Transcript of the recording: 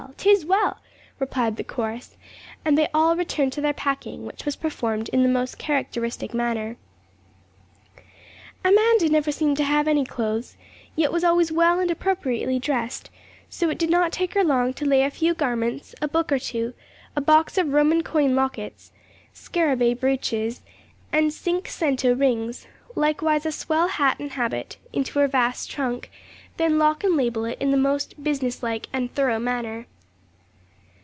'tis well!' replied the chorus, and they all returned to their packing, which was performed in the most characteristic manner. Amanda never seemed to have any clothes, yet was always well and appropriately dressed; so it did not take her long to lay a few garments, a book or two, a box of Roman coin lockets, scarabæ brooches, and cinque cento rings, likewise a swell hat and habit, into her vast trunk; then lock and label it in the most business like and thorough manner.